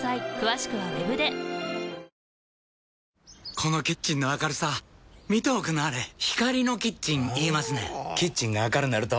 このキッチンの明るさ見ておくんなはれ光のキッチン言いますねんほぉキッチンが明るなると・・・